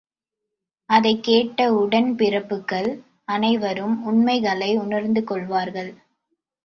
அதைக் கேட்ட உடன் பிறப்புக்கள் அனைவரும் உண்மைகளை உணர்ந்து கொள்வார்கள்.